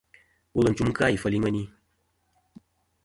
Wul ncum kɨ-a ifel i ŋweni.